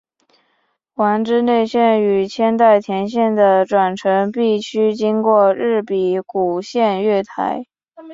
丸之内线与千代田线的转乘必须经过日比谷线月台。